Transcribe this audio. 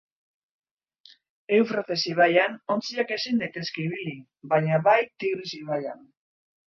Eufrates ibaian ontziak ezin daitezke ibili, baina bai Tigris ibaian.